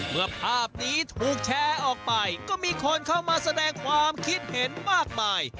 เมื่อภาพนี้ถูกแชร์ออกไปก็มีคนเข้ามาแสดงความคิดเห็นมากมาย